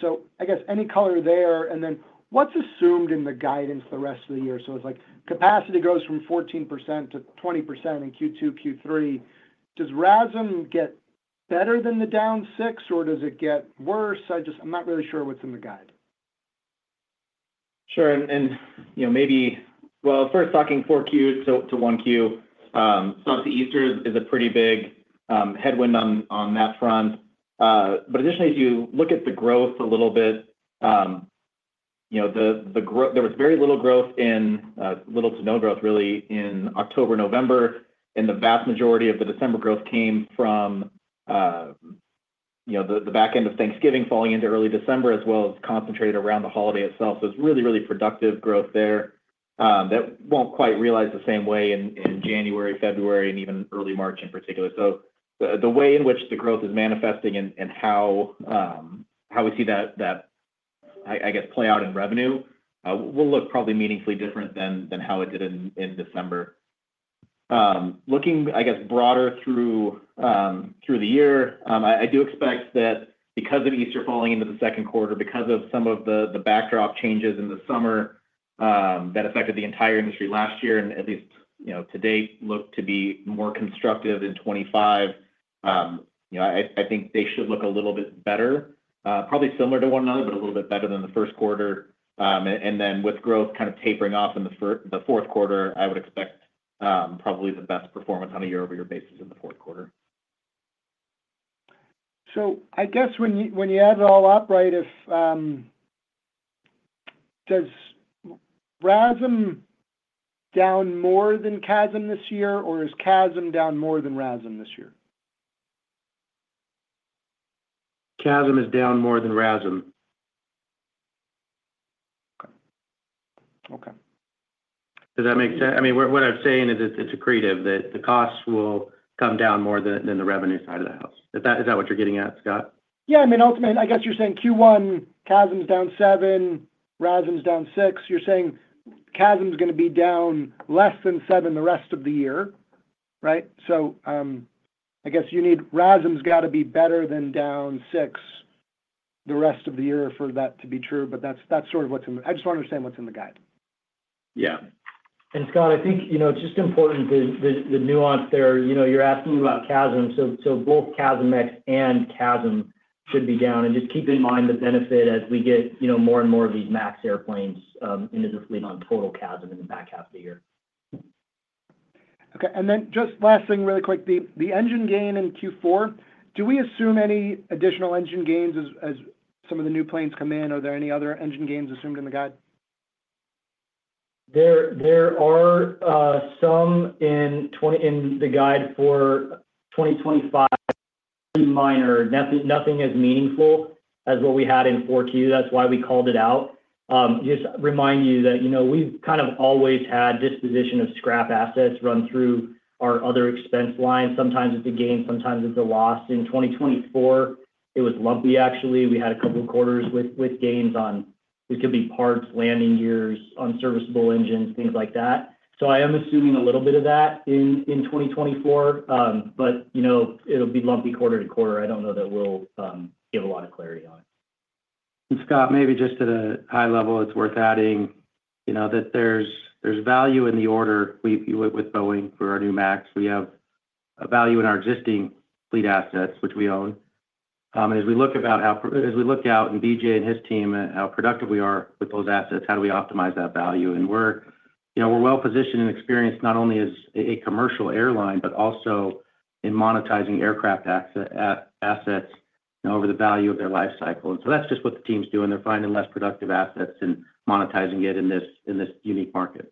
So I guess any color there. And then what's assumed in the guidance for the rest of the year? So it's like capacity goes from 14% to 20% in Q2, Q3. Does RASM get better than the down 6%, or does it get worse? I'm not really sure what's in the guide. Sure. And maybe, well, first, talking four Qs to one Q, so the Easter is a pretty big headwind on that front. But additionally, as you look at the growth a little bit, there was very little growth in little to no growth, really, in October and November. And the vast majority of the December growth came from the back end of Thanksgiving falling into early December, as well as concentrated around the holiday itself. So it's really, really productive growth there that won't quite realize the same way in January, February, and even early March in particular. So the way in which the growth is manifesting and how we see that, I guess, play out in revenue will look probably meaningfully different than how it did in December. Looking, I guess, broader through the year, I do expect that because of Easter falling into the Q2, because of some of the backdrop changes in the summer that affected the entire industry last year and at least to date look to be more constructive in 2025, I think they should look a little bit better, probably similar to one another, but a little bit better than the Q1, and then with growth kind of tapering off in the Q4, I would expect probably the best performance on a year-over-year basis in the Q4. So I guess when you add it all up, right, does RASM down more than CASM this year, or is CASM down more than RASM this year? CASM is down more than RASM. Okay. Okay. Does that make sense? I mean, what I'm saying is it's accretive, that the costs will come down more than the revenue side of the house. Is that what you're getting at, Scott? Yeah. I mean, ultimately, I guess you're saying Q1 CASM's down 7%, RASM's down 6%. You're saying CASM's going to be down less than 7% the rest of the year, right? So I guess you need RASM's got to be better than down 6% the rest of the year for that to be true. But that's sort of what's in the—I just want to understand what's in the guide. Yeah. And Scott, I think it's just important the nuance there. You're asking about CASM. So both CASM-ex and CASM should be down. And just keep in mind the benefit as we get more and more of these MAX airplanes into the fleet on total CASM in the back half of the year. Okay, and then just last thing, really quick, the engine gain in Q4, do we assume any additional engine gains as some of the new planes come in? Are there any other engine gains assumed in the guide? There are some in the guide for 2025, pretty minor. Nothing as meaningful as what we had in 4Q. That's why we called it out. Just remind you that we've kind of always had disposition of scrap assets run through our other expense line. Sometimes it's a gain, sometimes it's a loss. In 2024, it was lumpy, actually. We had a couple of quarters with gains on, it could be parts, landing gears, unserviceable engines, things like that. So I am assuming a little bit of that in 2024, but it'll be lumpy quarter to quarter. I don't know that we'll give a lot of clarity on it. And Scott, maybe just at a high level, it's worth adding that there's value in the order we went with Boeing for our new MAX. We have value in our existing fleet assets, which we own. And as we look about how-as we look out and BJ and his team, how productive we are with those assets, how do we optimize that value? And we're well-positioned and experienced not only as a commercial airline, but also in monetizing aircraft assets over the value of their lifecycle. And so that's just what the team's doing. They're finding less productive assets and monetizing it in this unique market.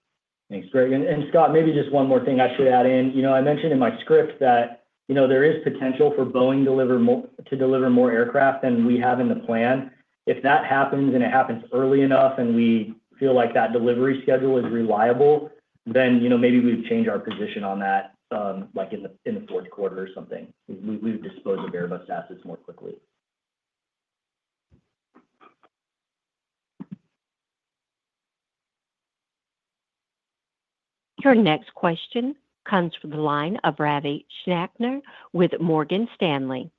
Thanks, Greg. And Scott, maybe just one more thing I should add in. I mentioned in my script that there is potential for Boeing to deliver more aircraft than we have in the plan. If that happens and it happens early enough and we feel like that delivery schedule is reliable, then maybe we'd change our position on that in the Q4 or something. We would dispose of Airbus assets more quickly. Your next question comes from the line of Ravi Shanker with Morgan Stanley.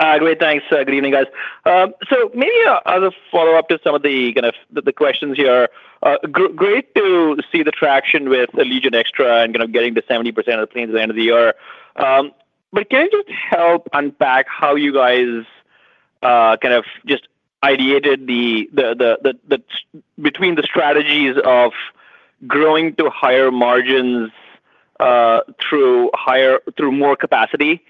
Hi, Dwight. Thanks. Good evening, guys. So maybe as a follow-up to some of the questions here, great to see the traction with Allegiant Extra and getting to 70% of the planes at the end of the year. But can you just help unpack how you guys kind of just ideated between the strategies of growing to higher margins through more capacity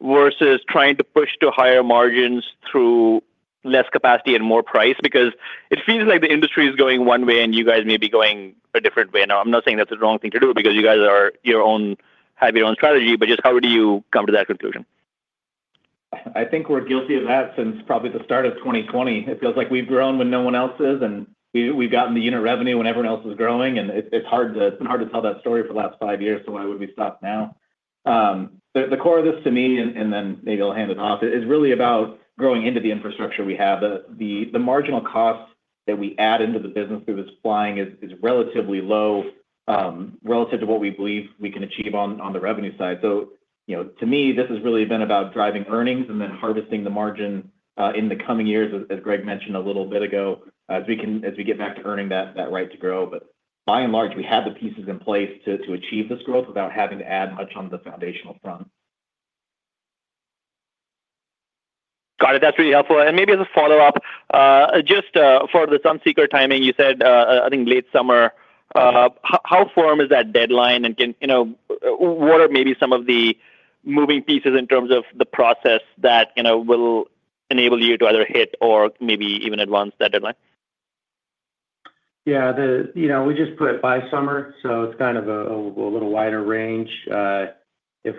versus trying to push to higher margins through less capacity and more price? Because it feels like the industry is going one way and you guys may be going a different way. Now, I'm not saying that's the wrong thing to do because you guys have your own strategy, but just how do you come to that conclusion? I think we're guilty of that since probably the start of 2020. It feels like we've grown when no one else is, and we've gotten the unit revenue when everyone else is growing. And it's been hard to tell that story for the last five years, so why would we stop now? The core of this to me, and then maybe I'll hand it off, is really about growing into the infrastructure we have. The marginal cost that we add into the business through this flying is relatively low relative to what we believe we can achieve on the revenue side. So to me, this has really been about driving earnings and then harvesting the margin in the coming years, as Greg mentioned a little bit ago, as we get back to earning that right to grow. But by and large, we have the pieces in place to achieve this growth without having to add much on the foundational front. Got it. That's really helpful. And maybe as a follow-up, just for the Sunseeker timing, you said, I think, late summer. How firm is that deadline? And what are maybe some of the moving pieces in terms of the process that will enable you to either hit or maybe even advance that deadline? Yeah. We just put by summer, so it's kind of a little wider range. If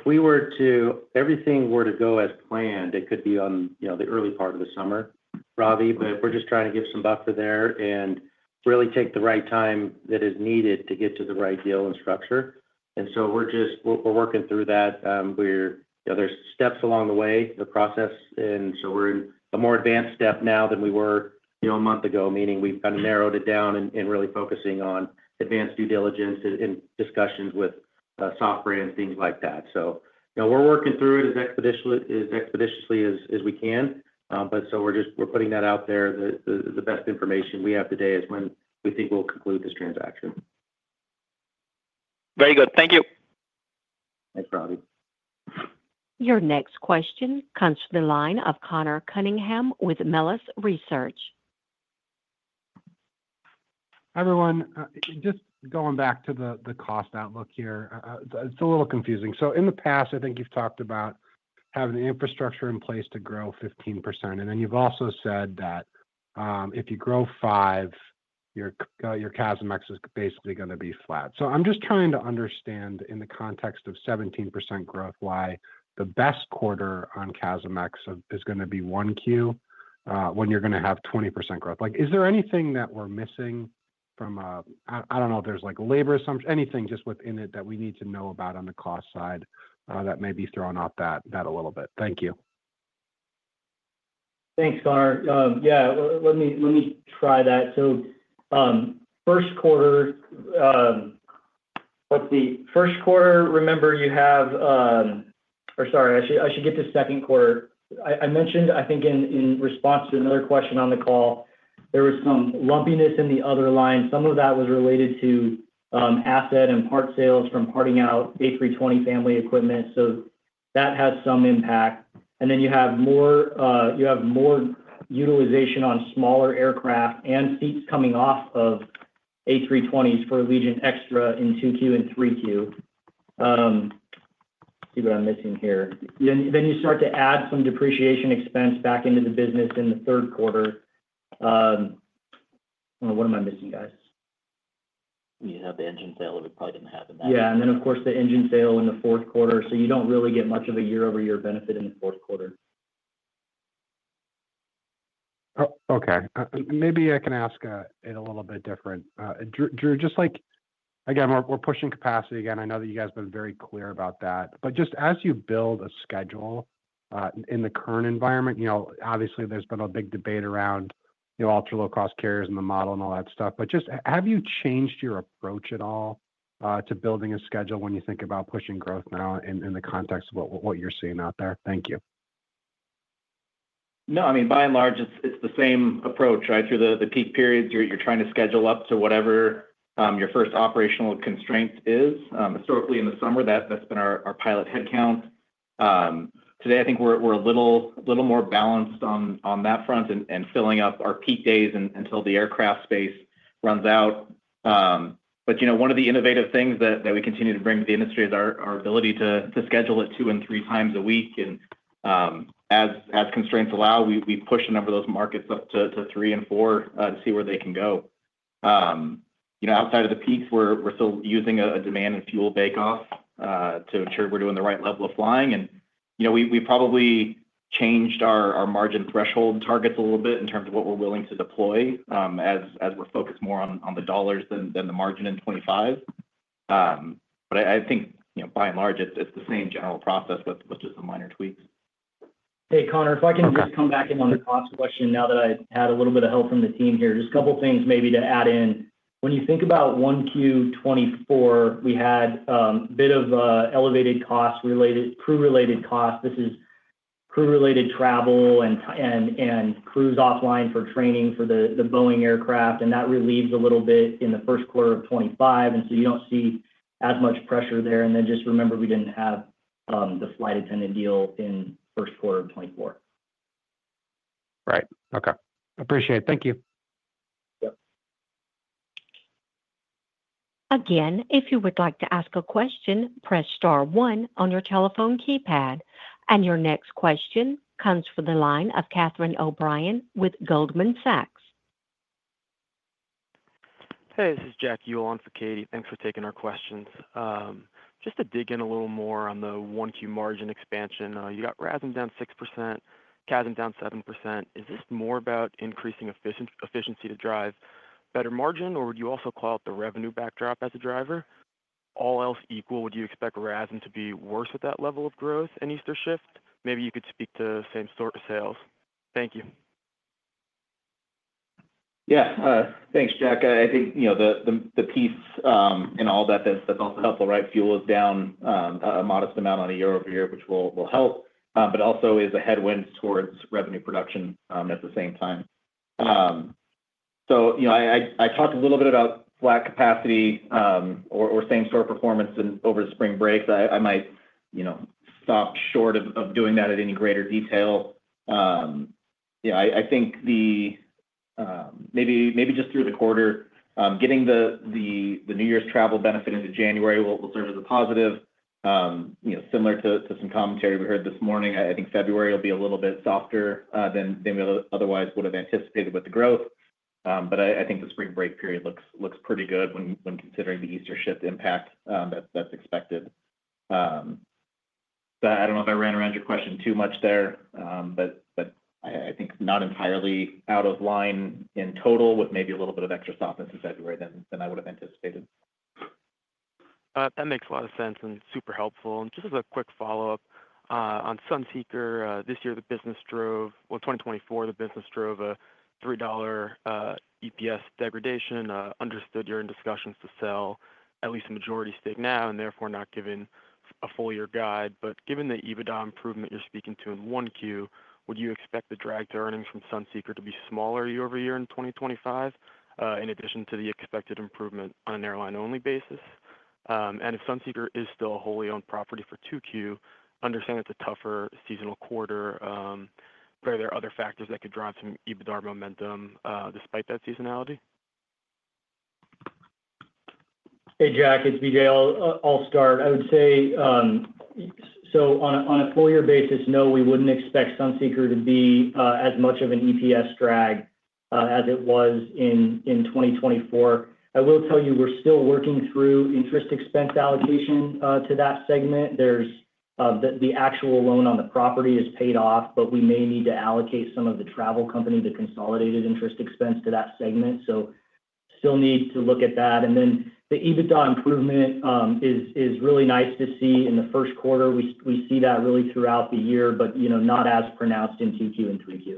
everything were to go as planned, it could be on the early part of the summer, Ravi, but we're just trying to give some buffer there and really take the right time that is needed to get to the right deal and structure, and so we're working through that. There's steps along the way, the process, and so we're in a more advanced step now than we were a month ago, meaning we've kind of narrowed it down and really focusing on advanced due diligence and discussions with soft brands, things like that. So we're working through it as expeditiously as we can, but so we're putting that out there. The best information we have today is when we think we'll conclude this transaction. Very good. Thank you. Thanks, Ravi. Your next question comes from the line of Conor Cunningham with Melius Research. Hi everyone. Just going back to the cost outlook here, it's a little confusing, so in the past, I think you've talked about having the infrastructure in place to grow 15%. And then you've also said that if you grow 5%, your CASM-ex is basically going to be flat, so I'm just trying to understand in the context of 17% growth why the best quarter on CASM-ex is going to be 1Q when you're going to have 20% growth. Is there anything that we're missing from a—I don't know if there's labor assumptions, anything just within it that we need to know about on the cost side that may be throwing off that a little bit? Thank you. Thanks, Conor. Yeah. Let me try that. So Q1, let's see. Q1, remember you have—or sorry, I should get to Q2. I mentioned, I think, in response to another question on the call, there was some lumpiness in the other line. Some of that was related to asset and part sales from parting out A320 family equipment. So that has some impact. And then you have more utilization on smaller aircraft and seats coming off of A320s for Allegiant Extra in 2Q and 3Q. Let's see what I'm missing here. Then you start to add some depreciation expense back into the business in the Q3. What am I missing, guys? You have the engine sale. It probably didn't happen that way. Yeah. And then, of course, the engine sale in the Q4. So you don't really get much of a year-over-year benefit in the Q4. Okay. Maybe I can ask it a little bit different. Drew, just like, again, we're pushing capacity again. I know that you guys have been very clear about that. But just as you build a schedule in the current environment, obviously, there's been a big debate around ultra-low-cost carriers in the model and all that stuff. But just have you changed your approach at all to building a schedule when you think about pushing growth now in the context of what you're seeing out there? Thank you. No. I mean, by and large, it's the same approach, right? Through the peak periods, you're trying to schedule up to whatever your first operational constraint is. Historically, in the summer, that's been our pilot headcount. Today, I think we're a little more balanced on that front and filling up our peak days until the aircraft space runs out. But one of the innovative things that we continue to bring to the industry is our ability to schedule it two and three times a week. And as constraints allow, we push a number of those markets up to three and four to see where they can go. Outside of the peaks, we're still using a demand and fuel bake-off to ensure we're doing the right level of flying. And we probably changed our margin threshold targets a little bit in terms of what we're willing to deploy as we're focused more on the dollars than the margin in 2025. But I think, by and large, it's the same general process with just some minor tweaks. Hey, Conor, if I can just come back in on the cost question now that I had a little bit of help from the team here. Just a couple of things maybe to add in. When you think about 1Q 2024, we had a bit of elevated cost-related, crew-related costs. This is crew-related travel and crews offline for training for the Boeing aircraft. And that relieves a little bit in the Q1 of 2025. And so you don't see as much pressure there. And then just remember, we didn't have the flight attendant deal in the Q1 of 2024. Right. Okay. Appreciate it. Thank you. Yep. Again, if you would like to ask a question, press star one on your telephone keypad. And your next question comes from the line of Catherine O'Brien with Goldman Sachs. Hey, this is Jack Ewell on for Katie. Thanks for taking our questions. Just to dig in a little more on the 1Q margin expansion, you got RASM down 6%, CASM down 7%. Is this more about increasing efficiency to drive better margin, or would you also call it the revenue backdrop as a driver? All else equal, would you expect RASM to be worse at that level of growth in Easter shift? Maybe you could speak to same sort of sales. Thank you. Yeah. Thanks, Jack. I think the piece in all that that's also helpful, right? Fuel is down a modest amount on a year-over-year, which will help, but also is a headwind towards revenue production at the same time. So I talked a little bit about flat capacity or same-store performance over the spring break. I might stop short of doing that at any greater detail. I think maybe just through the quarter, getting the New Year's travel benefit into January will serve as a positive. Similar to some commentary we heard this morning, I think February will be a little bit softer than we otherwise would have anticipated with the growth. But I think the spring break period looks pretty good when considering the Easter shift impact that's expected. But I don't know if I ran around your question too much there, but I think not entirely out of line in total with maybe a little bit of extra softness in February than I would have anticipated. That makes a lot of sense and super helpful. And just as a quick follow-up, on Sunseeker, this year, the business drove, well, 2024, the business drove a $3 EPS degradation. Understood you're in discussions to sell, at least a majority stake now, and therefore not giving a full-year guide. But given the EBITDA improvement you're speaking to in 1Q, would you expect the drag to earnings from Sunseeker to be smaller year-over-year in 2025 in addition to the expected improvement on an airline-only basis? And if Sunseeker is still a wholly-owned property for 2Q, understand it's a tougher seasonal quarter. Are there other factors that could drive some EBITDA momentum despite that seasonality? Hey, Jack. It's BJ. I'll start. I would say, so on a full-year basis, no, we wouldn't expect Sunseeker to be as much of an EPS drag as it was in 2024. I will tell you, we're still working through interest expense allocation to that segment. The actual loan on the property is paid off, but we may need to allocate some of the travel company to consolidated interest expense to that segment. So still need to look at that. And then the EBITDA improvement is really nice to see in the Q1. We see that really throughout the year, but not as pronounced in 2Q and 3Q.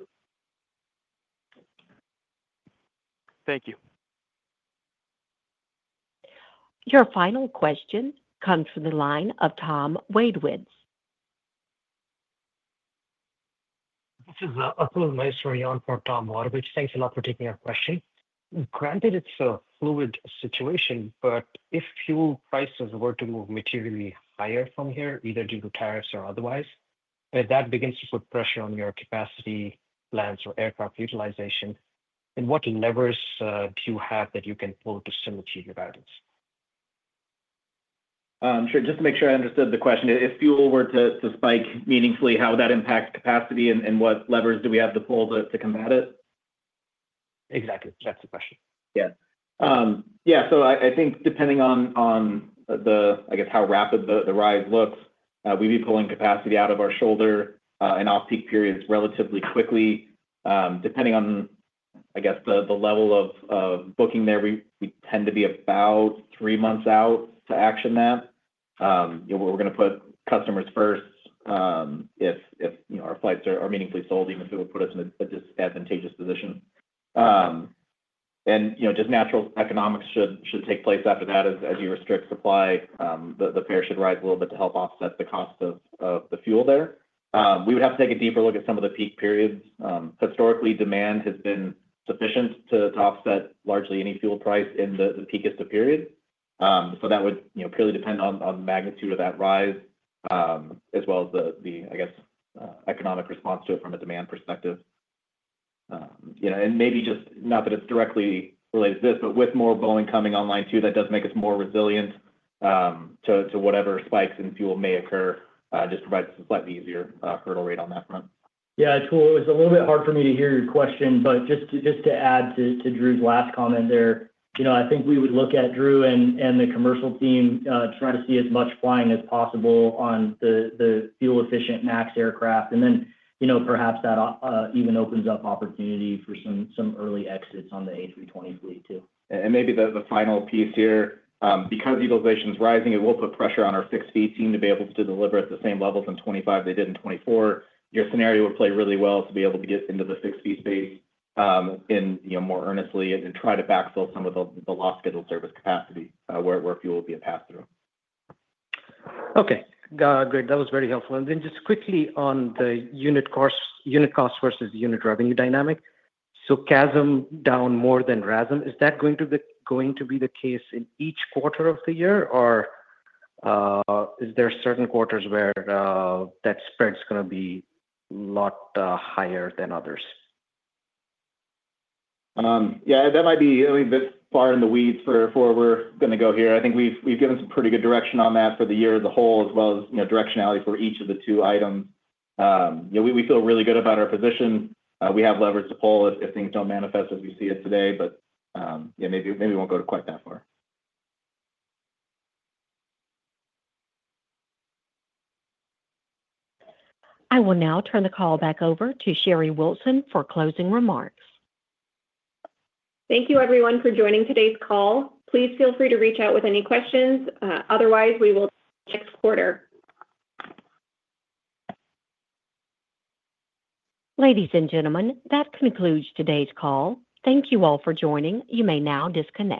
Thank you. Your final question comes from the line of Tom Wadewitz. This is a fluid message from Yon for Tom Wadewitz. Thanks a lot for taking our question. Granted, it's a fluid situation, but if fuel prices were to move materially higher from here, either due to tariffs or otherwise, that begins to put pressure on your capacity plans or aircraft utilization. And what levers do you have that you can pull to simulate your guidance? Sure. Just to make sure I understood the question. If fuel were to spike meaningfully, how would that impact capacity and what levers do we have to pull to combat it? Exactly. That's the question. Yeah. Yeah. So I think depending on the, I guess, how rapid the rise looks, we'd be pulling capacity out of our shoulder and off-peak periods relatively quickly. Depending on, I guess, the level of booking there, we tend to be about three months out to action that. We're going to put customers first if our flights are meaningfully sold, even if it would put us in a disadvantageous position. And just natural economics should take place after that. As you restrict supply, the fare should rise a little bit to help offset the cost of the fuel there. We would have to take a deeper look at some of the peak periods. Historically, demand has been sufficient to offset largely any fuel price in the peakest of periods. So that would purely depend on the magnitude of that rise, as well as the, I guess, economic response to it from a demand perspective. And maybe just not that it's directly related to this, but with more Boeing coming online too, that does make us more resilient to whatever spikes in fuel may occur. It just provides a slightly easier hurdle rate on that front. Yeah. It was a little bit hard for me to hear your question, but just to add to Drew's last comment there, I think we would look at Drew and the commercial team, try to see as much flying as possible on the fuel-efficient MAX aircraft. And then perhaps that even opens up opportunity for some early exits on the A320 fleet too. And maybe the final piece here, because utilization is rising, it will put pressure on our fixed fee team to be able to deliver at the same levels in 2025 they did in 2024. Your scenario would play really well to be able to get into the fixed fee space more earnestly and try to backfill some of the lost scheduled service capacity where fuel would be a pass-through. Okay. Great. That was very helpful. And then just quickly on the unit cost versus unit revenue dynamic. So CASM down more than RASM. Is that going to be the case in each quarter of the year, or is there certain quarters where that spread's going to be a lot higher than others? Yeah. That might be a little bit far in the weeds for where we're going to go here. I think we've given some pretty good direction on that for the year as a whole, as well as directionality for each of the two items. We feel really good about our position. We have levers to pull if things don't manifest as we see it today, but maybe we won't go to quite that far. I will now turn the call back over to Sherry Wilson for closing remarks. Thank you, everyone, for joining today's call. Please feel free to reach out with any questions. Otherwise, we will next quarter. Ladies and gentlemen, that concludes today's call. Thank you all for joining. You may now disconnect.